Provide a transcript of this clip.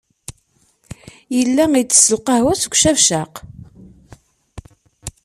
Yella itess lqahwa s ucabcaq.